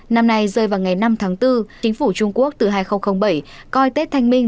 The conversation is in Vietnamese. năm nay rơi vào ngày năm tháng bốn chính phủ trung quốc từ hai nghìn bảy coi tết thanh minh